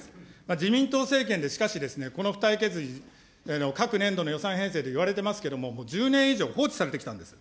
自民党政権で、しかしですね、この付帯決議、各年度の予算編成で言われてますけれども、もう１０年以上、放置されてきたんです。